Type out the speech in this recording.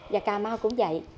và cà mau cũng vậy